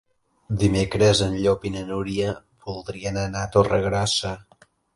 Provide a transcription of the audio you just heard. Dimecres en Llop i na Núria voldrien anar a Torregrossa.